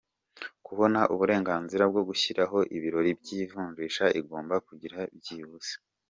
kubona uburenganzira bwo gushyiraho ibiro by’ivunjisha igomba : Kugira byibuze